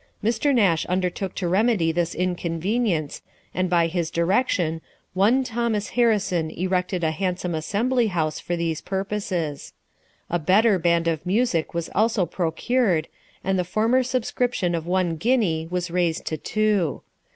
Mr. Nash undertook to remedy this inconvenience, and by his direction, one Thomas Harrison erected a handsome assembly house for these purposes. A better band of music was also procured, and the former subscription of one guinea was raised to two.